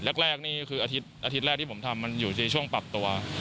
แรกนี่คืออาทิตย์แรกที่ผมทำมันอยู่ในช่วงปรับตัว